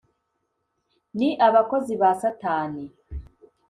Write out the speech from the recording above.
ni abakozi ba Satani